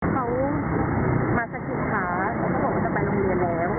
เขามาสะกิดขาเขาก็บอกว่าจะไปโรงเรียนแล้ว